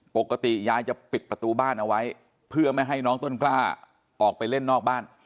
ปกติยายจะปิดประตูบ้านเอาไว้เพื่อไม่ให้น้องต้นกล้าออกไปเล่นนอกบ้าน